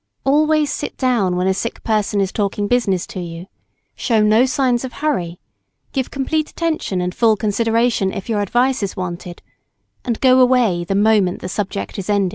Always sit down when a sick person is talking business to you, show no signs of hurry give complete attention and full consideration if your advice is wanted, and go away the moment the subject is ended.